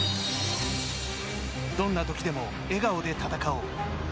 「どんなときでも笑顔で戦おう」